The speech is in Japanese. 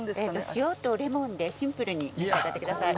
塩とレモンでシンプルに召し上がってください。